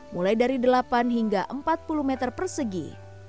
mulai dari delapan hingga empat puluh meter persegi